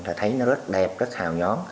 rồi thấy nó rất đẹp rất hào nhón